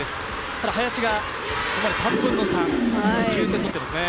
ただ林がここまで３／３、９点取ってますね。